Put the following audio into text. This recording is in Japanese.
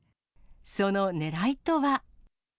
そのねらいとは。